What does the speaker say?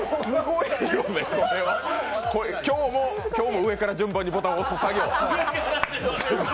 今日も上から順番にボタンを押す作業。